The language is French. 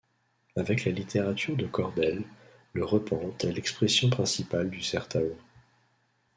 Avec la littérature de Cordel, le repente est l'expression principale du sertão.